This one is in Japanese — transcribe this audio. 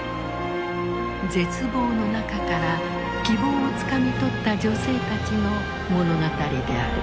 絶望の中から希望をつかみ取った女性たちの物語である。